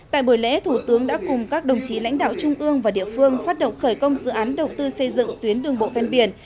tại buổi lễ thủ tướng đã cùng các đồng chí lãnh đạo trung ương và địa phương phát động khởi công dự án đầu tư xây dựng tuyến đường bộ ven biển